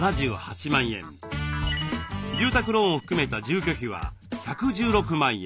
住宅ローンを含めた住居費は１１６万円。